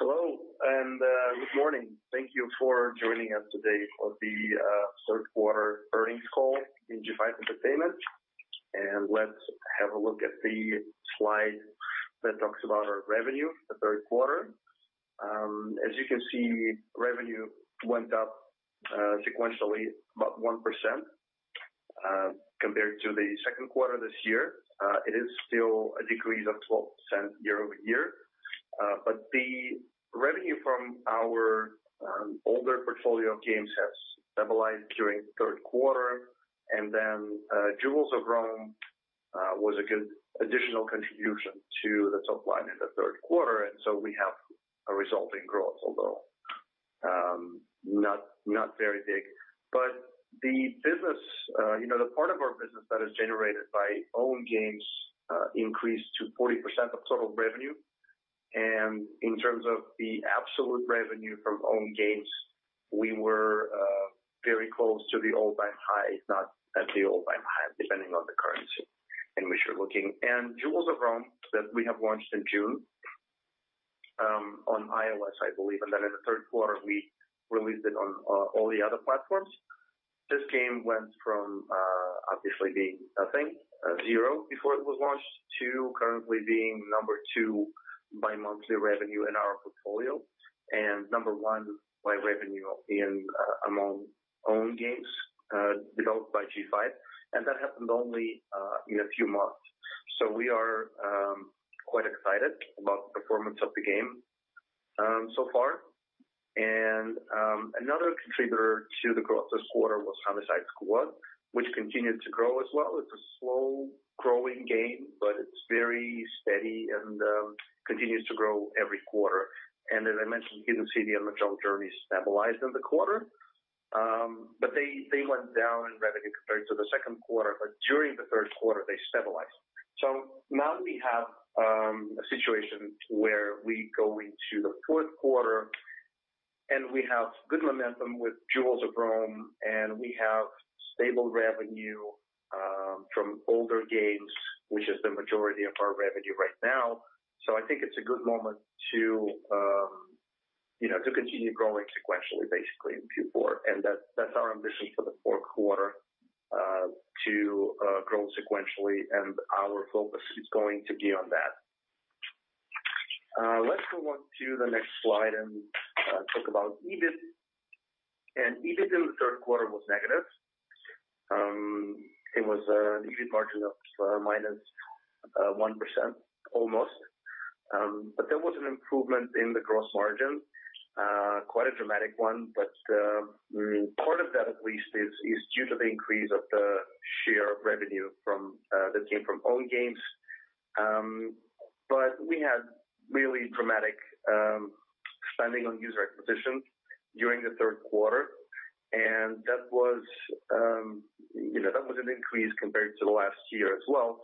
Hello, good morning. Thank you for joining us today for the third quarter earnings call in G5 Entertainment. Let's have a look at the slide that talks about our revenue, the third quarter. As you can see, revenue went up sequentially about 1% compared to the second quarter this year. It is still a decrease of 12% year-over-year. The revenue from our older portfolio of games has stabilized during the third quarter. Jewels of Rome was a good additional contribution to the top line in the third quarter. We have a resulting growth, although not very big. The part of our business that is generated by own games increased to 40% of total revenue. In terms of the absolute revenue from own games, we were very close to the all-time high, if not at the all-time high, depending on the currency in which you're looking. Jewels of Rome that we have launched in June, on iOS, I believe, then in the third quarter we released it on all the other platforms. This game went from obviously being nothing, zero before it was launched, to currently being number two by monthly revenue in our portfolio and number one by revenue among own games, developed by G5, that happened only in a few months. We are quite excited about the performance of the game so far. Another contributor to the growth this quarter was Homicide Squad, which continued to grow as well. It's a slow-growing game, but it's very steady and continues to grow every quarter. As I mentioned, Hidden City and Mahjong Journey stabilized in the quarter. They went down in revenue compared to the second quarter, but during the third quarter, they stabilized. Now we have a situation where we go into the fourth quarter, and we have good momentum with Jewels of Rome, and we have stable revenue from older games, which is the majority of our revenue right now. I think it's a good moment to continue growing sequentially, basically in Q4. That's our ambition for the fourth quarter, to grow sequentially and our focus is going to be on that. Let's go on to the next slide and talk about EBIT. EBIT in the third quarter was negative. It was an EBIT margin of minus 1% almost. There was an improvement in the gross margin, quite a dramatic one, but part of that at least is due to the increase of the share of revenue that came from own games. We had really dramatic spending on user acquisition during the third quarter and that was an increase compared to the last year as well.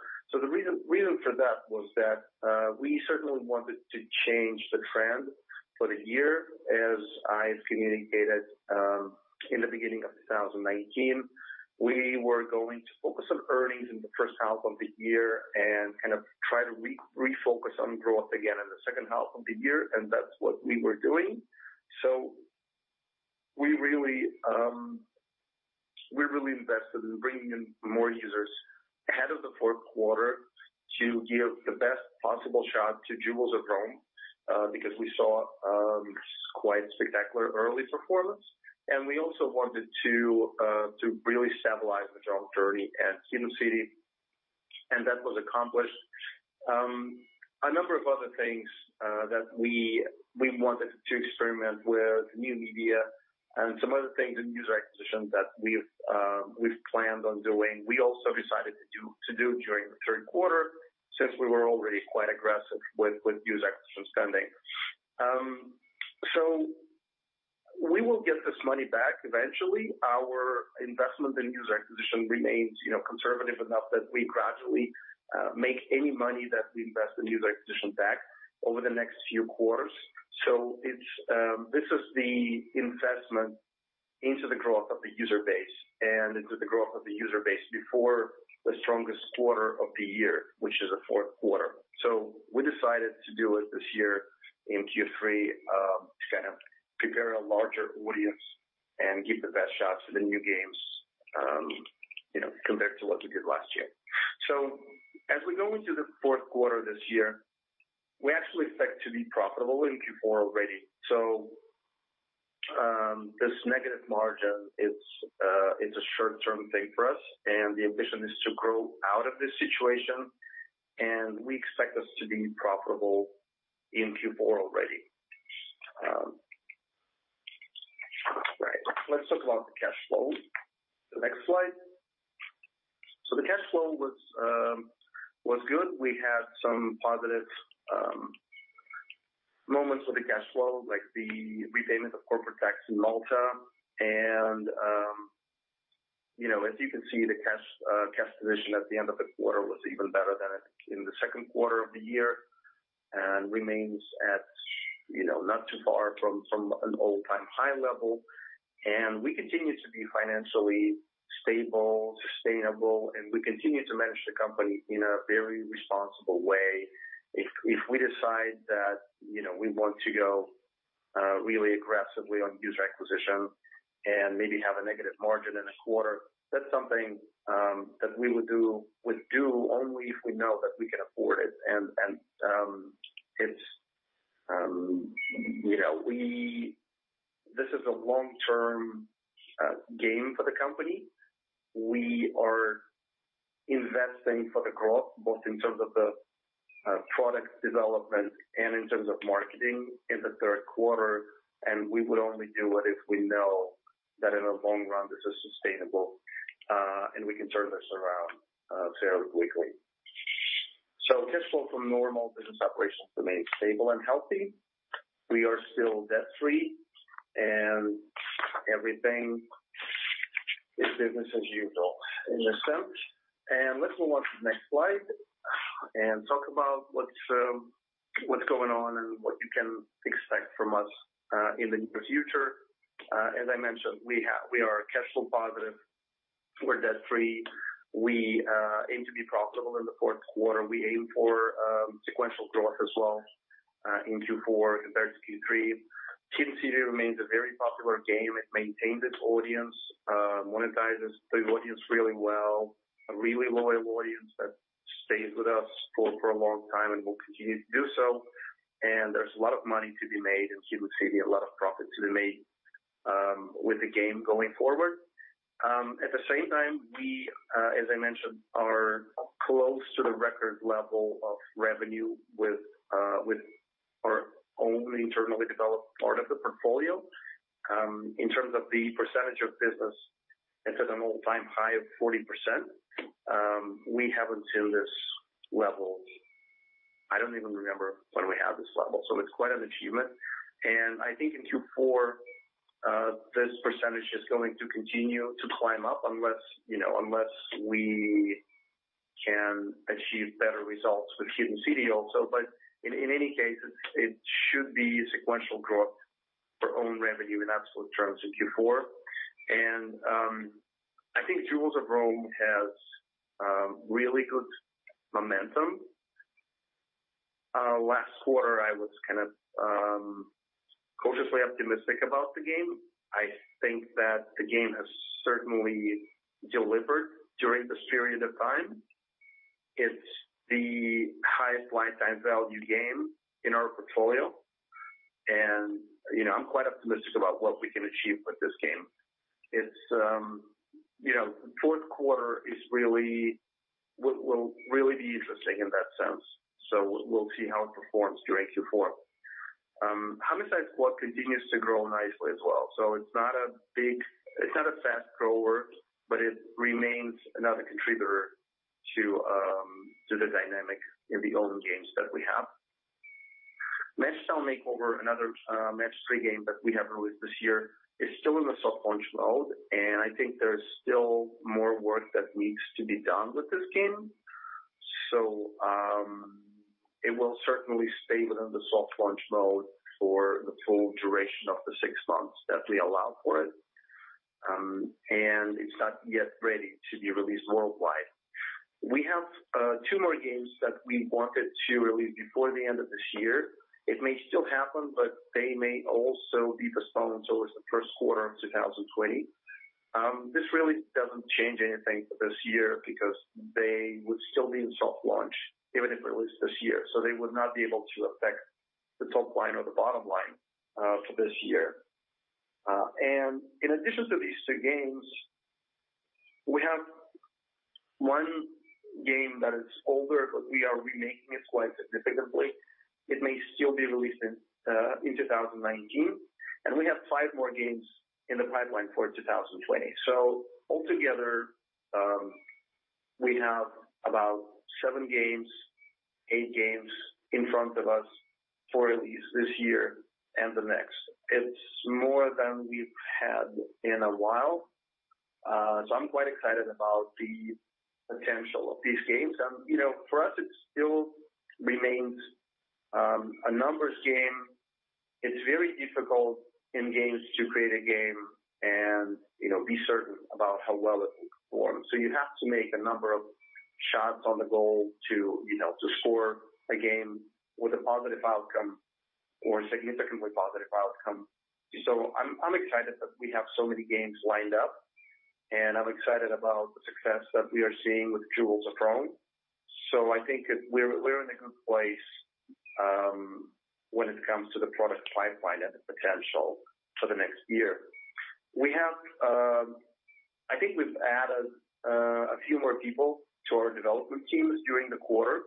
The reason for that was that we certainly wanted to change the trend for the year. As I communicated in the beginning of 2019, we were going to focus on earnings in the first half of the year and kind of try to refocus on growth again in the second half of the year, and that's what we were doing. We really invested in bringing in more users ahead of the fourth quarter to give the best possible shot to Jewels of Rome, because we saw quite spectacular early performance, and we also wanted to really stabilize Mahjong Journey and Hidden City, and that was accomplished. A number of other things that we wanted to experiment with new media and some other things in user acquisition that we've planned on doing, we also decided to do during the third quarter since we were already quite aggressive with user acquisition spending. We will get this money back eventually. Our investment in user acquisition remains conservative enough that we gradually make any money that we invest in user acquisition back over the next few quarters. This is the investment into the growth of the user base and into the growth of the user base before the strongest quarter of the year, which is the fourth quarter. We decided to do it this year in Q3, kind of prepare a larger audience and give the best shot to the new games, compared to what we did last year. As we go into the fourth quarter this year, we actually expect to be profitable in Q4 already. This negative margin, it's a short-term thing for us, and the ambition is to grow out of this situation, and we expect us to be profitable in Q4 already. Right. Let's talk about the cash flow. The next slide. The cash flow was good. We had some positive moments with the cash flow, like the repayment of corporate tax in Malta, and as you can see, the cash position at the end of the quarter was even better than in the second quarter of the year and remains at not too far from an all-time high level. We continue to be financially stable, sustainable, and we continue to manage the company in a very responsible way. If we decide that we want to go really aggressively on user acquisition and maybe have a negative margin in a quarter, that's something that we would do only if we know that we can afford it. This is a long-term game for the company. We are investing for the growth, both in terms of the product development and in terms of marketing in the third quarter, we would only do it if we know that in the long run this is sustainable and we can turn this around fairly quickly. Cash flow from normal business operations remains stable and healthy. We are still debt-free. Everything is business as usual in that sense. Let's move on to the next slide and talk about what's going on and what you can expect from us in the near future. As I mentioned, we are cash flow positive. We're debt-free. We aim to be profitable in the fourth quarter. We aim for sequential growth as well in Q4 compared to Q3. Hidden City remains a very popular game. It maintained its audience, monetizes the audience really well, a really loyal audience that stays with us for a long time and will continue to do so. There's a lot of money to be made in Hidden City, a lot of profit to be made with the game going forward. At the same time, we, as I mentioned, are close to the record level of revenue with our own internally developed part of the portfolio. In terms of the percentage of business, it's at an all-time high of 40%. We haven't seen this level, I don't even remember when we had this level, so it's quite an achievement. I think in Q4, this percentage is going to continue to climb up unless we can achieve better results with Hidden City also. In any case, it should be sequential growth for own revenue in absolute terms in Q4. I think Jewels of Rome has really good momentum. Last quarter I was cautiously optimistic about the game. I think that the game has certainly delivered during this period of time. It's the highest lifetime value game in our portfolio, and I'm quite optimistic about what we can achieve with this game. Fourth quarter will really be interesting in that sense. We'll see how it performs during Q4. Homicide Squad continues to grow nicely as well. It's not a fast grower, but it remains another contributor to the dynamic in the own games that we have. Match Style Makeover, another Match 3 game that we have released this year, is still in the soft launch mode and I think there's still more work that needs to be done with this game. It will certainly stay within the soft launch mode for the full duration of the six months that we allow for it. It's not yet ready to be released worldwide. We have two more games that we wanted to release before the end of this year. It may still happen, but they may also be postponed towards the first quarter of 2020. This really doesn't change anything for this year because they would still be in soft launch even if released this year. They would not be able to affect the top line or the bottom line for this year. In addition to these two games, we have one game that is older, but we are remaking it quite significantly. It may still be released in 2019, and we have five more games in the pipeline for 2020. Altogether, we have about seven games, eight games in front of us for at least this year and the next. It's more than we've had in a while, so I'm quite excited about the potential of these games. For us, it still remains a numbers game. It's very difficult in games to create a game and be certain about how well it will perform. You have to make a number of shots on the goal to score a game with a positive outcome or a significantly positive outcome. I'm excited that we have so many games lined up and I'm excited about the success that we are seeing with Jewels of Rome. I think we're in a good place when it comes to the product pipeline and the potential for the next year. I think we've added a few more people to our development teams during the quarter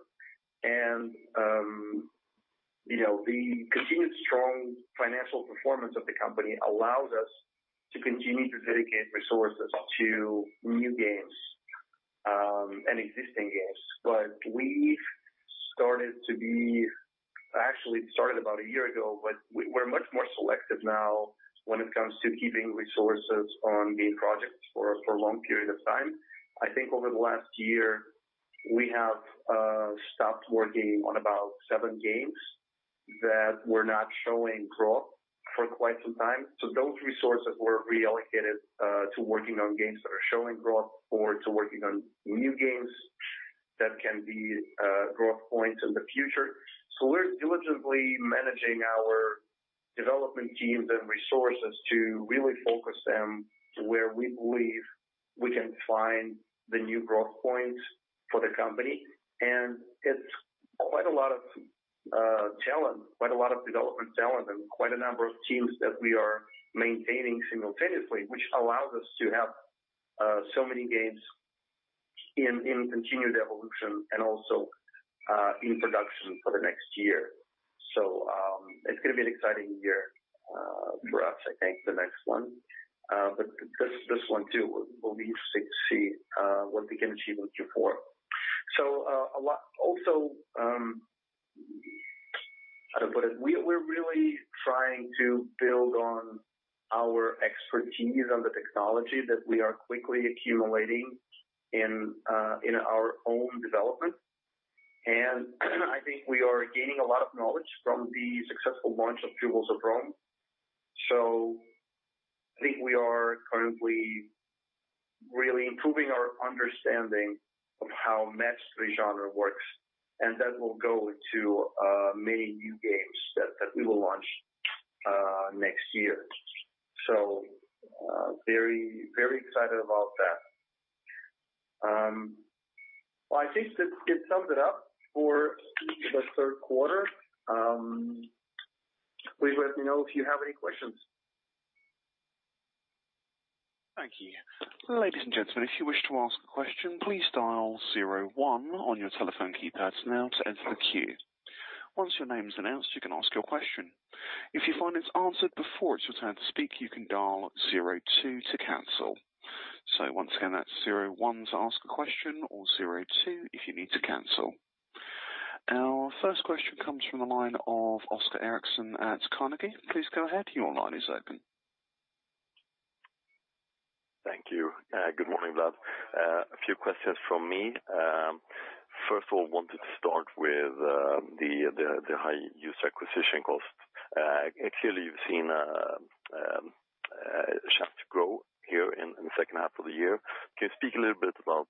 and the continued strong financial performance of the company allows us to continue to dedicate resources to new games and existing games. We actually started about a year ago, but we're much more selective now when it comes to keeping resources on game projects for long period of time. I think over the last year we have stopped working on about seven games that were not showing growth for quite some time. Those resources were reallocated to working on games that are showing growth or to working on new games that can be growth points in the future. We're diligently managing our development teams and resources to really focus them where we believe we can find the new growth points for the company. It's quite a lot of development talent and quite a number of teams that we are maintaining simultaneously, which allows us to have so many games in continued evolution and also in production for the next year. It's going to be an exciting year for us, I think the next one. This one too, we'll be seeing what we can achieve in Q4. Also, how to put it, we're really trying to build on our expertise on the technology that we are quickly accumulating in our own development. I think we are gaining a lot of knowledge from the successful launch of Jewels of Rome. I think we are currently really improving our understanding of how match-three genre works, and that will go to many new games that we will launch next year. Very excited about that. Well, I think that sums it up for the third quarter. Please let me know if you have any questions. Thank you. Ladies and gentlemen, if you wish to ask a question, please dial zero one on your telephone keypads now to enter the queue. Once your name is announced, you can ask your question. If you find it's answered before it's your turn to speak, you can dial zero two to cancel. Once again, that's zero one to ask a question or zero two if you need to cancel. Our first question comes from the line of [Oskar Eriksson] at Carnegie. Please go ahead. Your line is open. Thank you. Good morning, Vlad. A few questions from me. First of all, wanted to start with the high user acquisition cost. Clearly you've seen a chance to grow here in the second half of the year. Can you speak a little bit about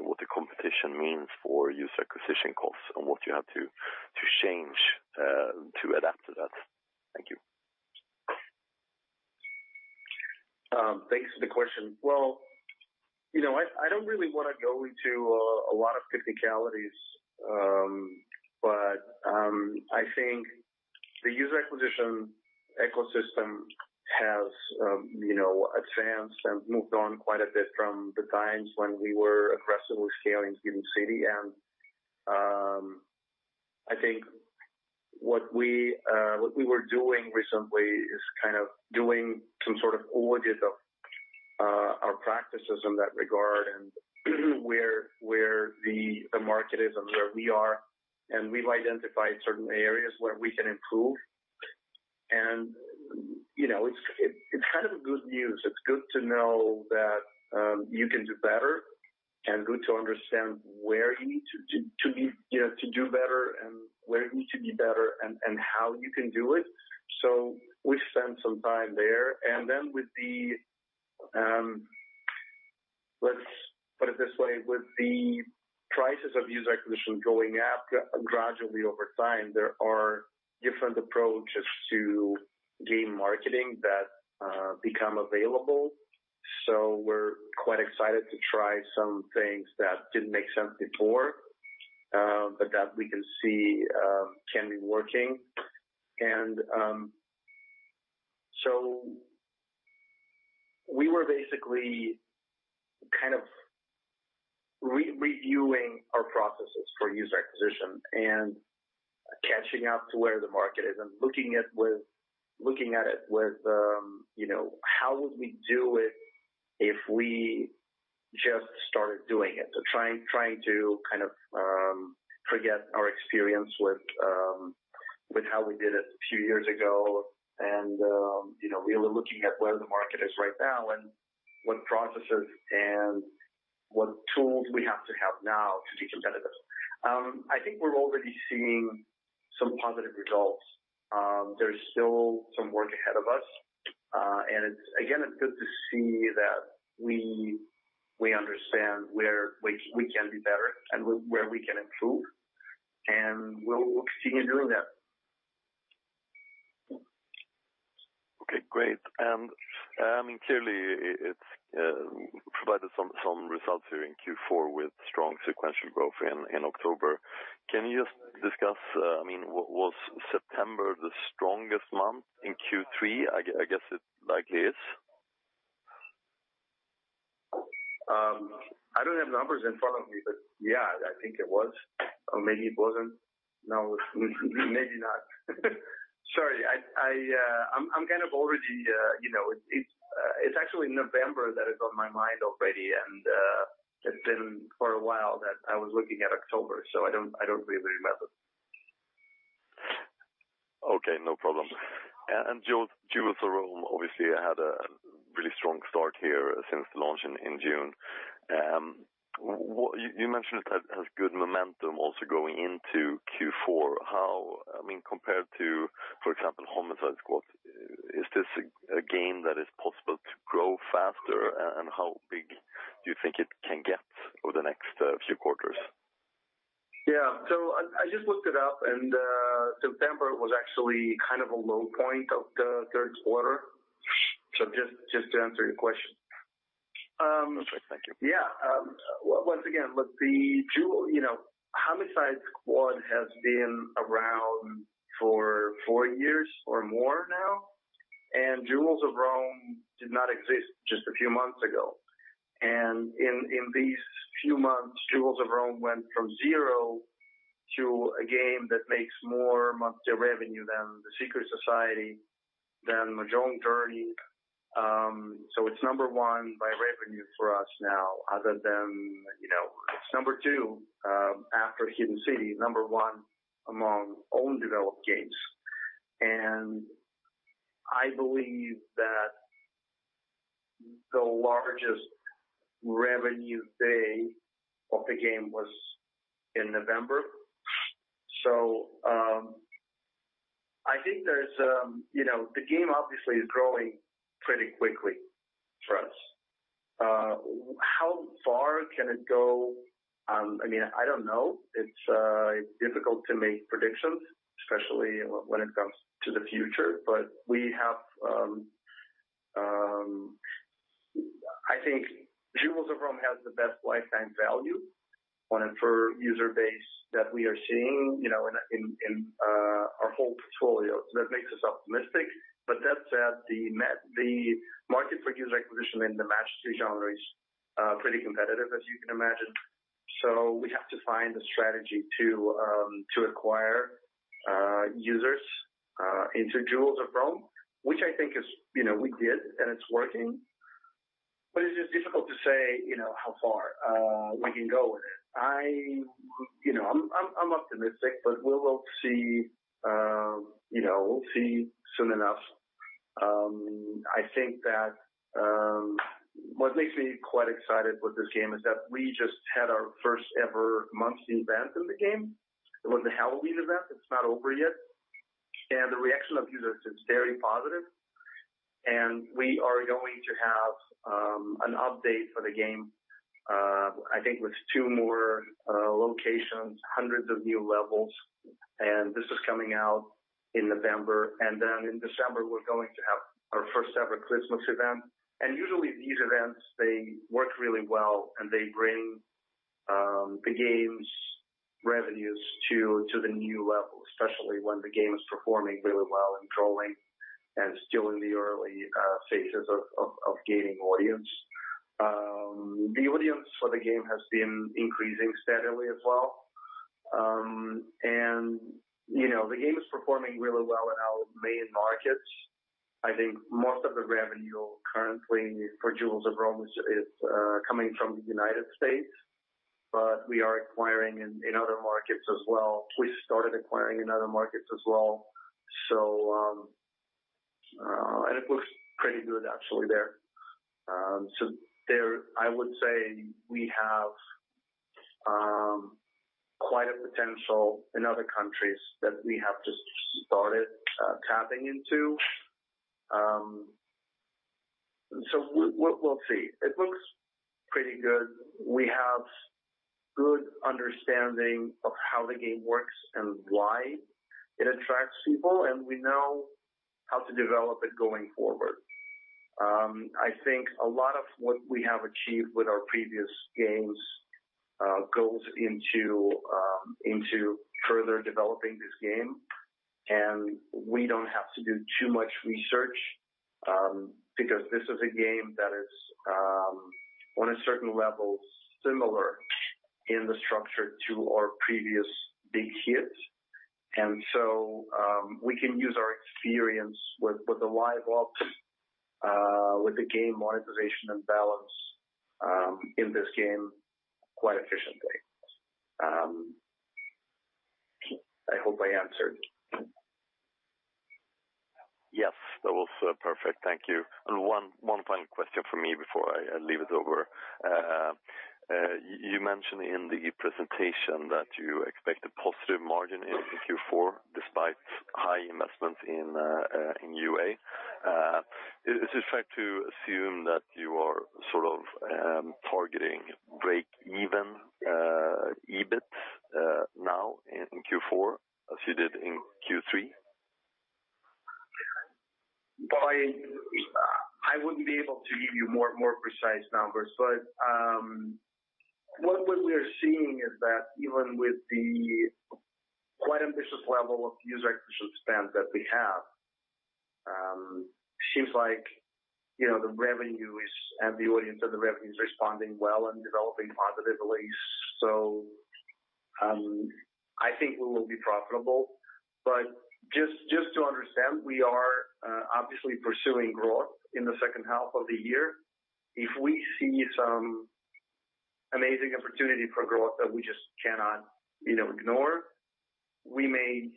what the competition means for user acquisition costs and what you have to change to adapt to that? Thank you. Thanks for the question. Well, I don't really want to go into a lot of technicalities. I think the user acquisition ecosystem has advanced and moved on quite a bit from the times when we were aggressively scaling Hidden City. I think what we were doing recently is doing some sort of audit of our practices in that regard and where the market is and where we are, and we've identified certain areas where we can improve. It's good news. It's good to know that you can do better and good to understand where you need to do better and where you need to be better and how you can do it. We've spent some time there, and then with the, let's put it this way, with the prices of user acquisition going up gradually over time, there are different approaches to game marketing that become available. We're quite excited to try some things that didn't make sense before, but that we can see can be working. We were basically reviewing our processes for user acquisition and catching up to where the market is and looking at it with how would we do it if we just started doing it. Trying to forget our experience with how we did it a few years ago and really looking at where the market is right now and what processes and what tools we have to have now to be competitive. I think we're already seeing some positive results. There's still some work ahead of us. Again, it's good to see that we understand where we can be better and where we can improve. We'll continue doing that. Okay, great. Clearly it's provided some results here in Q4 with strong sequential growth in October. Can you just discuss, was September the strongest month in Q3? I guess it likely is. I don't have numbers in front of me, but yeah, I think it was, or maybe it wasn't. Maybe not. It's actually November that is on my mind already, and it's been for a while that I was looking at October, so I don't really remember. Okay, no problem. Jewels of Rome obviously had a really strong start here since the launch in June. You mentioned it has good momentum also going into Q4. Compared to, for example, Homicide Squad, is this a game that is possible to grow faster, and how big do you think it can get over the next few quarters? Yeah. I just looked it up and September was actually a low point of the third quarter, just to answer your question. That's right. Thank you. Yeah. Once again, Homicide Squad has been around for four years or more now, and Jewels of Rome did not exist just a few months ago. In these few months, Jewels of Rome went from zero to a game that makes more monthly revenue than The Secret Society, than Mahjong Journey. It's number one by revenue for us now. It's number two after Hidden City, number one among own developed games. I believe that the largest revenue day of the game was in November. I think the game obviously is growing pretty quickly for us. How far can it go? I don't know. It's difficult to make predictions, especially when it comes to the future. I think Jewels of Rome has the best lifetime value on a per user base that we are seeing in our whole portfolio. That makes us optimistic. That said, the market for user acquisition in the Match 3 genre is pretty competitive, as you can imagine. We have to find a strategy to acquire users into Jewels of Rome, which I think we did, and it's working, but it is just difficult to say how far we can go with it. I'm optimistic, we'll see soon enough. I think that what makes me quite excited with this game is that we just had our first ever monthly event in the game. It was the Halloween event. It's not over yet, the reaction of users is very positive, we are going to have an update for the game I think with two more locations, hundreds of new levels, this is coming out in November. In December, we're going to have our first ever Christmas event. Usually these events, they work really well and they bring the game's revenues to the new level, especially when the game is performing really well and growing and still in the early phases of gaining audience. The audience for the game has been increasing steadily as well. The game is performing really well in our main markets. I think most of the revenue currently for Jewels of Rome is coming from the U.S., but we are acquiring in other markets as well. We started acquiring in other markets as well. It looks pretty good actually there. There, I would say we have quite a potential in other countries that we have just started tapping into. We'll see. It looks pretty good. We have good understanding of how the game works and why it attracts people, and we know how to develop it going forward. I think a lot of what we have achieved with our previous games goes into further developing this game. We don't have to do too much research because this is a game that is, on a certain level, similar in the structure to our previous big hits. We can use our experience with the live ops, with the game monetization and balance in this game quite efficiently. I hope I answered. Yes, that was perfect. Thank you. One final question from me before I leave it over. You mentioned in the presentation that you expect a positive margin in Q4 despite high investments in UA. Is it fair to assume that you are sort of targeting breakeven EBIT now in Q4 as you did in Q3? I wouldn't be able to give you more precise numbers, but what we are seeing is that even with the quite ambitious level of user acquisition spend that we have, seems like the audience and the revenue is responding well and developing positively. I think we will be profitable, but just to understand, we are obviously pursuing growth in the second half of the year. If we see some amazing opportunity for growth that we just cannot ignore. We may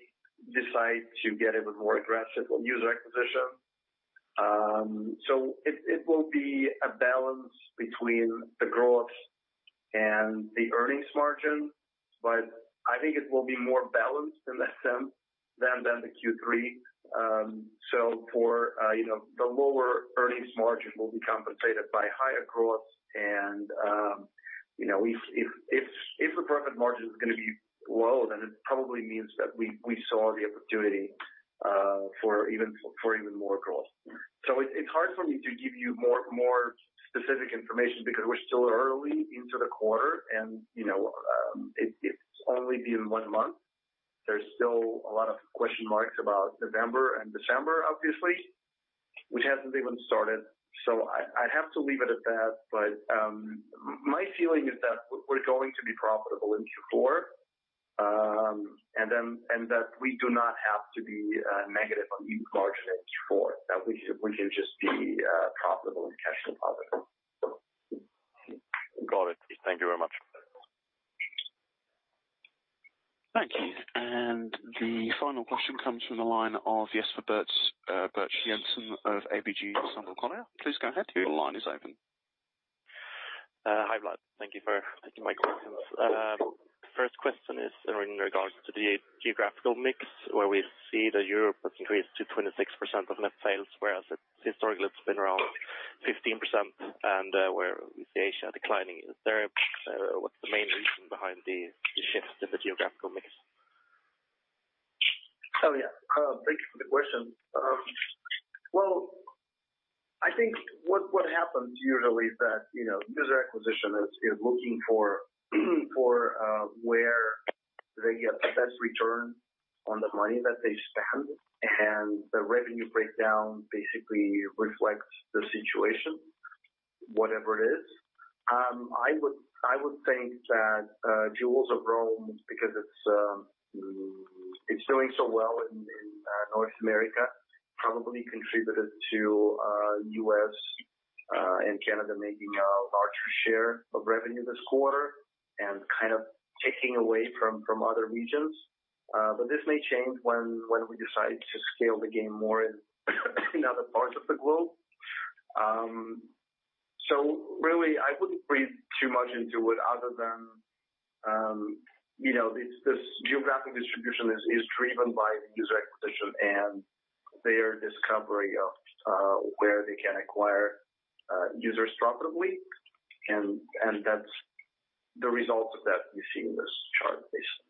decide to get even more aggressive on user acquisition. It will be a balance between the growth and the earnings margin, but I think it will be more balanced in that sense than the Q3. For the lower earnings margin will be compensated by higher growth and if the profit margin is going to be low, then it probably means that we saw the opportunity for even more growth. It's hard for me to give you more specific information because we're still early into the quarter and it's only been one month. There's still a lot of question marks about November and December, obviously, which hasn't even started. I have to leave it at that, but my feeling is that we're going to be profitable in Q4, and that we do not have to be negative on the margin in Q4, that we can just be profitable in cash and profit. Got it. Thank you very much. Thank you. The final question comes from the line of Jesper Birch-Jensen of ABG Sundal Collier. Please go ahead. Your line is open. Hi, Vlad. Thank you for taking my questions. First question is in regards to the geographical mix where we see that Europe has increased to 26% of net sales, whereas historically it's been around 15%, and where we see Asia declining. What's the main reason behind the shift of the geographical mix? Oh, yeah. Thanks for the question. Well, I think what happens usually is that, user acquisition is looking for where they get the best return on the money that they spend. The revenue breakdown basically reflects the situation, whatever it is. I would think that Jewels of Rome, because it's doing so well in North America, probably contributed to U.S. and Canada making a larger share of revenue this quarter and kind of taking away from other regions. This may change when we decide to scale the game more in other parts of the globe. Really, I wouldn't read too much into it other than, this geographic distribution is driven by user acquisition and their discovery of where they can acquire users profitably, and the results of that, we see in this chart basically.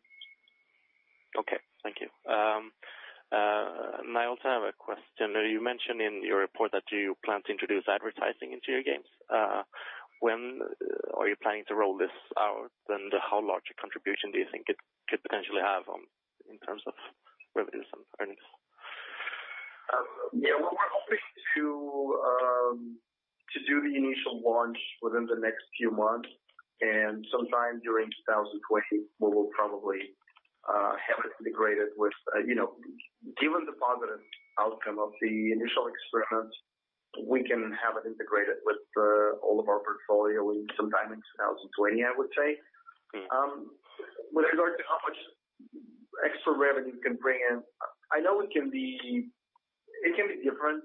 Okay. Thank you. I also have a question. You mentioned in your report that you plan to introduce advertising into your games. When are you planning to roll this out? How large a contribution do you think it could potentially have in terms of revenues and earnings? Yeah. We're hoping to do the initial launch within the next few months, and sometime during 2020, we will probably have it integrated. Given the positive outcome of the initial experiments, we can have it integrated with all of our portfolio sometime in 2020, I would say. Okay. With regard to how much extra revenue it can bring in, I know it can be different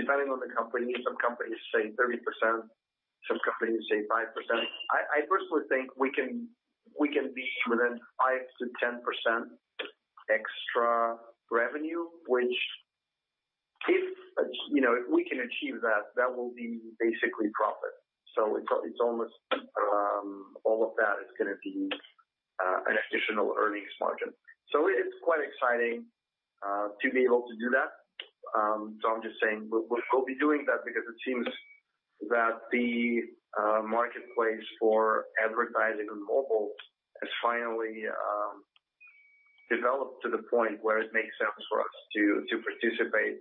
depending on the company. Some companies say 30%, some companies say 5%. I personally think we can be within 5%-10% extra revenue, which if we can achieve that will be basically profit. It's almost all of that is going to be an additional earnings margin. It's quite exciting to be able to do that. I'm just saying we'll be doing that because it seems that the marketplace for advertising on mobile has finally developed to the point where it makes sense for us to participate,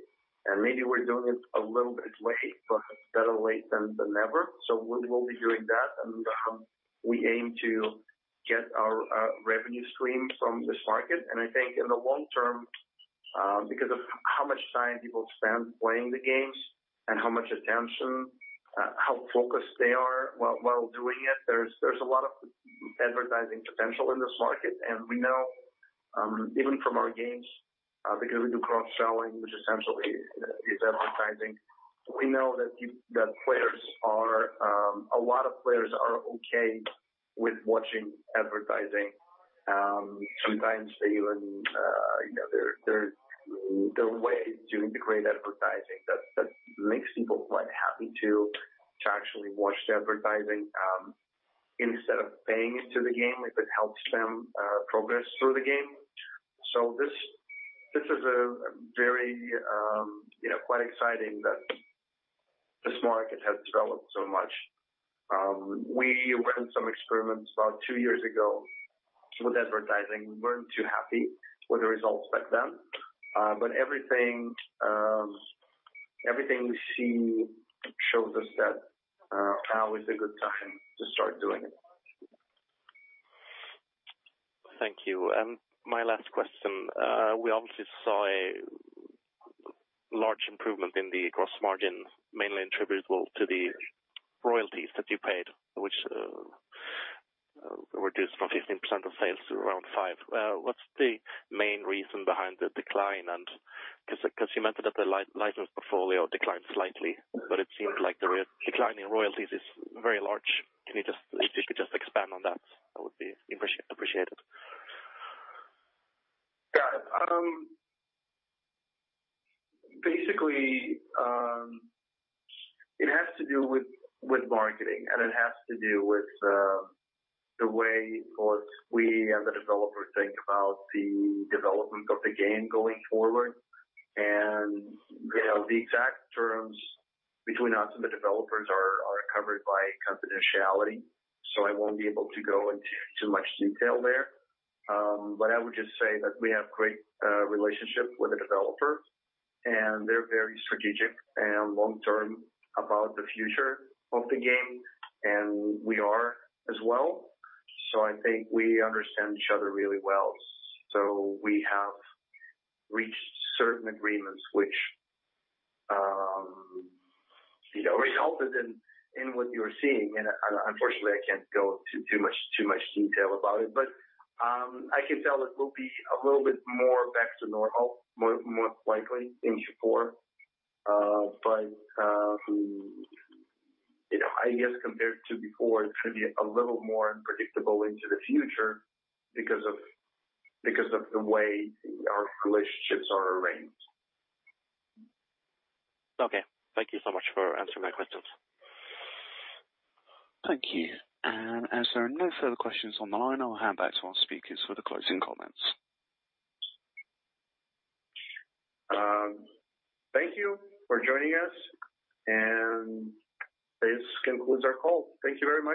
and maybe we're doing it a little bit late, but better late than never. We will be doing that, and we aim to get our revenue stream from this market. I think in the long term, because of how much time people spend playing the games and how much attention, how focused they are while doing it, there's a lot of advertising potential in this market. We know, even from our games, because we do cross-selling, which essentially is advertising. We know that a lot of players are okay with watching advertising. Sometimes there are ways to integrate advertising that makes people quite happy to actually watch the advertising, instead of paying into the game if it helps them progress through the game. This is quite exciting that this market has developed so much. We ran some experiments about two years ago with advertising. We weren't too happy with the results back then. Everything we see shows us that now is a good time to start doing it. Thank you. My last question. We obviously saw a large improvement in the gross margin, mainly attributable to the royalties that you paid, which reduced from 15% of sales to around 5%. What's the main reason behind the decline? Because you mentioned that the license portfolio declined slightly, but it seems like the declining royalties is very large. If you could just expand on that would be appreciated. Basically, it has to do with marketing, and it has to do with the way both we and the developer think about the development of the game going forward. The exact terms between us and the developers are covered by confidentiality, so I won't be able to go into too much detail there. I would just say that we have great relationship with the developer, and they're very strategic and long-term about the future of the game, and we are as well. I think we understand each other really well. We have reached certain agreements which resulted in what you're seeing, and unfortunately, I can't go into too much detail about it. I can tell it will be a little bit more back to normal, more likely in Q4. I guess compared to before, it could be a little more unpredictable into the future because of the way our relationships are arranged. Okay. Thank you so much for answering my questions. Thank you. As there are no further questions on the line, I'll hand back to our speakers for the closing comments. Thank you for joining us. This concludes our call. Thank you very much.